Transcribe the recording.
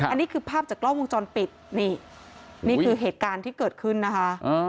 อันนี้คือภาพจากกล้องวงจรปิดนี่นี่คือเหตุการณ์ที่เกิดขึ้นนะคะ